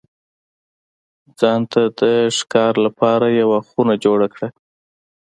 ځان ته د ښکار لپاره یوه خونه جوړه کړه.